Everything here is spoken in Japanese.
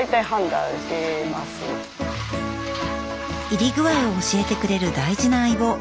炒り具合を教えてくれる大事な相棒。